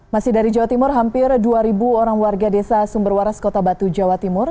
masih dari jawa timur hampir dua orang warga desa sumberwaras kota batu jawa timur